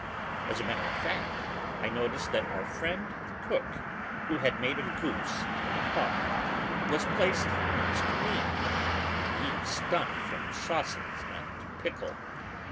As a matter of fact, I noticed that our friend the cook, who had made a goose out of a hog, was placed next to me, and he stunk from sauces and pickle.